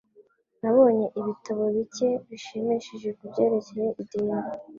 Nabonye ibitabo bike bishimishije kubyerekeye idini.